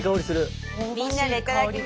みんなでいただきます。